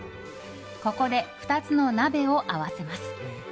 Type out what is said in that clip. ここで、２つの鍋を合わせます。